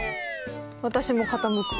私も傾く。